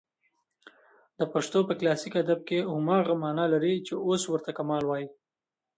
د پښتو په کلاسیک ادب کښي هماغه مانا لري، چي اوس ورته کمال وايي.